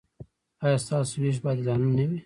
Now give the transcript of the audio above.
ایا ستاسو ویش به عادلانه نه وي؟